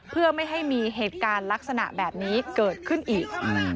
เพื่อไม่ให้มีเหตุการณ์ลักษณะแบบนี้เกิดขึ้นอีก